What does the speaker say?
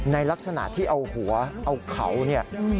ในลักษณะที่เอาหัวเอาเขาเนี่ย